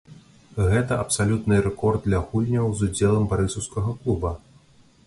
Гэта абсалютны рэкорд для гульняў з удзелам барысаўскага клуба.